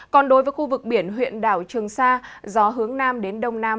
còn đối với khu vực biển huyện đảo trường sa gió hướng nam đến đông nam